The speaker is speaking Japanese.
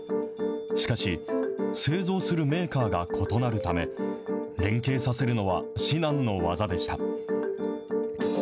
しかし、製造するメーカーが異なるため、連携させるのは至難の業でした。